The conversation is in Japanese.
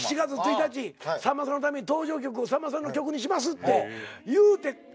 さんまさんのために登場曲をさんまさんの曲にしますって言うてこのスランプや。